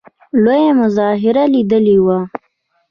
لویه مظاهره لیدلې وه.